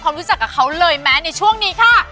ในช่วงนี้ค่ะ